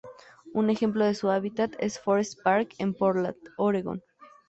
Un ejemplo de su hábitat es Forest Park en Portland, Oregón.